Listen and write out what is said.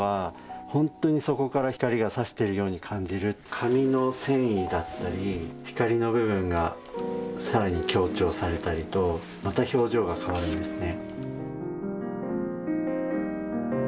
紙の繊維だったり光の部分がさらに強調されたりとまた表情が変わるんですね。